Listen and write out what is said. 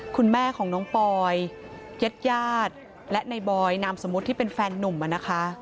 คุณแม่ของน้องปอยเย็ดและนายบอยนามสมมติที่เป็นแฟนนุ่มอ่ะนะคะ